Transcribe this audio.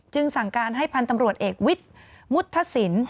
สั่งการให้พันธุ์ตำรวจเอกวิทย์มุฒิป